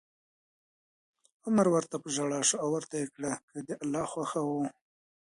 عمر ورته په ژړا شو او ورته کړه یې: که د الله خوښه وه